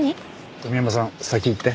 小宮山さん先行って。